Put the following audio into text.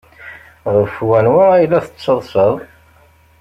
Ɣef wanwa ay la tettaḍsaḍ?